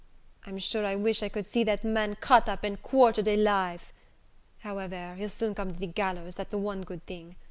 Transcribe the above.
I'm sure I wish I could see that man cut up and quartered alive! however, he'll come to the gallows, that's one good thing.